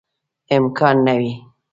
امکان نه وي.